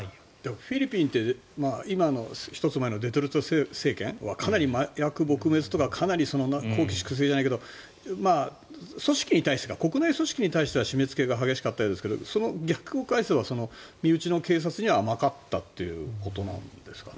フィリピンって今１つ前の、ドゥテルテ政権はかなり麻薬撲滅とか綱紀粛正じゃないけど国内組織に対しては締めつけが激しかったようですがその逆を返せば身内の警察には甘かったということなんですかね。